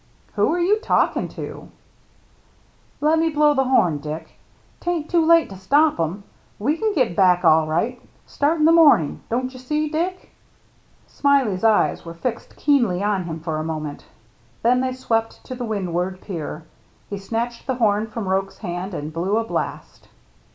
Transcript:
" Who are you talking to ?"" Lemme blow the horn, Dick. 'Taint too late to stop 'em. We can get back all right — start in the mornin'. Don't you see, Dick —" Smiley 's eyes were fixed keenly on him for a moment ; then they swept to the windward pier. He snatched the horn from Roche's hand and blew a blast.